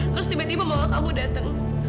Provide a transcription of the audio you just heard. terus tiba tiba mama kamu datang